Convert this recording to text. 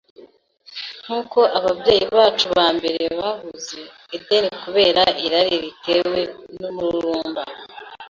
Nk’uko ababyeyi bacu ba mbere babuze Edeni kubera irari ritewe n’umururumba